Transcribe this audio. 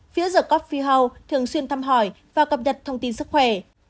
phía the coffee house thường xuyên thăm hỏi và cập nhật thông tin sức khỏe